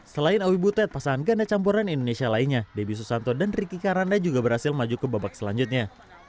selain owi butet pasangan ganda campuran indonesia lainnya debbie susanto dan ricky karanda juga berhasil maju ke babak selanjutnya